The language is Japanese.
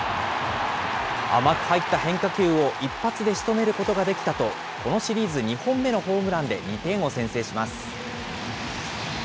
甘く入った変化球を一発でしとめることができたと、このシリーズ２本目のホームランで２点を先制します。